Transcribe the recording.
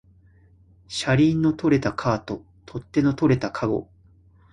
車輪の取れたカート、取っ手の取れたかご